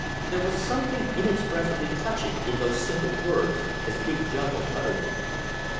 There was something inexpressibly touching in those simple words as Big Junko uttered them.